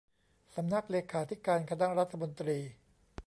สำนักเลขาธิการคณะรัฐมนตรี